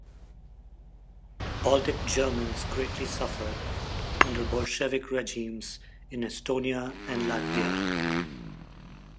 Baltic Germans greatly suffered under Bolshevik regimes in Estonia and Latvia.